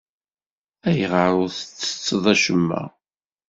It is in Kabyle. Ayɣer ur ttetteḍ acemma?